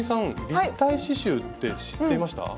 立体刺しゅうって知っていました？